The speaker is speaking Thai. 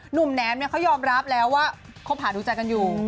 หนุ่มแนมเขายอมรับแล้วว่าคบหาดูใจกันอยู่